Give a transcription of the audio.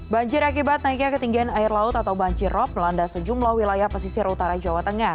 banjir akibat naiknya ketinggian air laut atau banjir rop melanda sejumlah wilayah pesisir utara jawa tengah